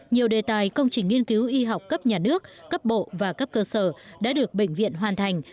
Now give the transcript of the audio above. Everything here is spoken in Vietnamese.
nhiều đề tài công trình nghiên cứu y học cấp nhà nước cấp bộ và cấp cơ sở đã được bệnh viện hoàn thành